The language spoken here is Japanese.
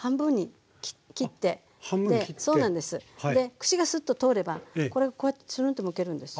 串がスッと通ればこれこうやってつるんとむけるんです。